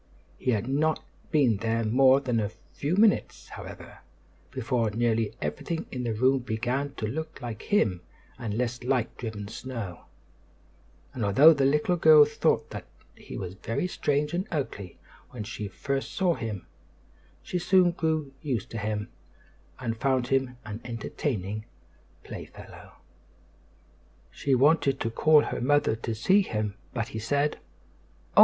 He had not been there more than a very few minutes, however, before nearly everything in the room began to look more like him and less like driven snow; and although the little girl thought that he was very strange and ugly when she first saw him, she soon grew used to him, and found him an entertaining playfellow. She wanted to call her mother to see him; but he said: "Oh!